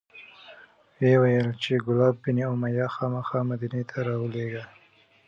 ولیکل چې کلاب بن امیة خامخا مدینې ته راولیږه.